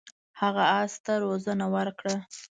هغه اس ته روزنه ورکړه.